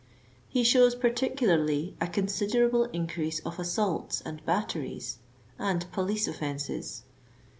He shows particularly a considerable increase of assaults and batteries and pcv lice offences.